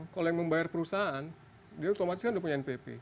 kalau yang membayar perusahaan dia otomatis kan udah punya npp